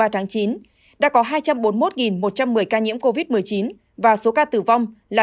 đã có hai trăm bốn mươi một một trăm một mươi ca nhiễm covid một mươi chín và số ca tử vong là chín chín trăm bảy mươi bốn